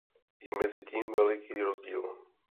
Je mezi tím veliký rozdíl.